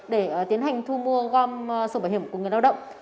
để tiến hành thu mua gom sổ bảo hiểm của người lao động